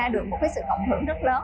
một sự cộng hưởng rất lớn